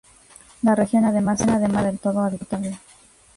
La región, además, no era del todo habitable.